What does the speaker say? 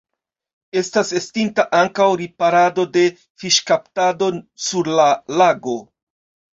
Estas estinta ankaŭ riparado de fiŝkaptado sur la lago.